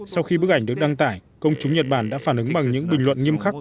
sau khi bức ảnh được đăng tải công chúng nhật bản đã phản ứng bằng những bình luận nghiêm khắc